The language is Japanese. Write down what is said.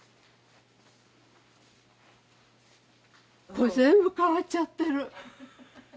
これ全部変わっちゃってる色が。